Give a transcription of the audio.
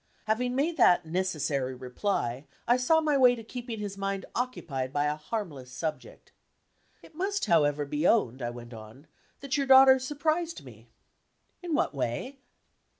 Having made that necessary reply, I saw my way to keeping his mind occupied by a harmless subject. "It must, however, be owned," I went on, "that your daughter surprised me." "In what way?"